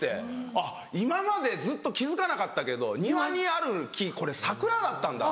「あっ今までずっと気付かなかったけど庭にある木これ桜だったんだ」